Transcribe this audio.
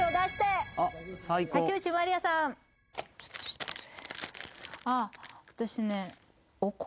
ちょっと失礼。